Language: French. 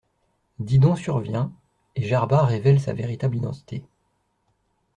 Didon survient, et Jarba révèle sa véritable identité.